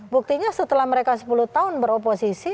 buktinya setelah mereka sepuluh tahun beroposisi